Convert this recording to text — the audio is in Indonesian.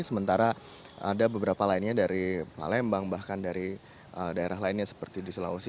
sementara ada beberapa lainnya dari palembang bahkan dari daerah lainnya seperti di sulawesi